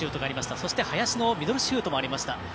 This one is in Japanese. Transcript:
そして、林のミドルシュートもありました。